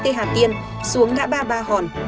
tới hà tiên xuống ngã ba mươi ba hòn